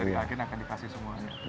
jadi akhirnya akan dikasih semuanya